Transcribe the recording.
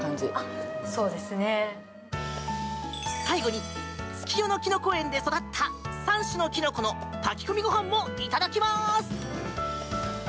最後に月夜野きのこ園で育った３種のキノコの炊き込みご飯もいただきます！